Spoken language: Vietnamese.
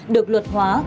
được luật hóa